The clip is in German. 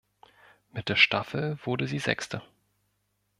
Mit der Staffel wurde sie Sechste.